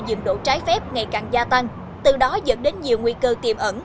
dừng độ trái phép ngày càng gia tăng từ đó dẫn đến nhiều nguy cơ tiềm ẩn